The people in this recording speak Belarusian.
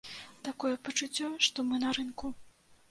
Такое пачуццё, што мы на рынку.